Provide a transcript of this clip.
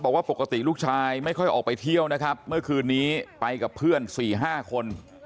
บอกว่าปกติลูกชายไม่ค่อยออกไปเที่ยวนะครับเมื่อคืนนี้ไปกับเพื่อน๔๕คน